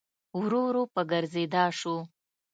ورو ورو په ګرځېدا سو.